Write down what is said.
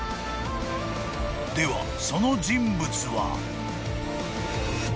［ではその人物は？］